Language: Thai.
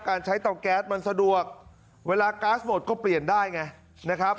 การใช้เตาแก๊สมันสะดวกเวลาก๊าซหมดก็เปลี่ยนได้ไงนะครับ